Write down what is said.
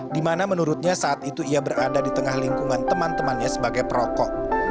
di mana menurutnya saat itu ia berada di tengah lingkungan teman temannya sebagai perokok